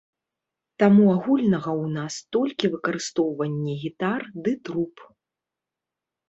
Таму агульнага ў нас толькі выкарыстоўванне гітар ды труб.